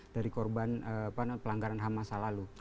dari korban pelanggaran hamas lalu